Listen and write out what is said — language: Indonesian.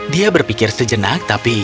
dia berpikir sejenak tapi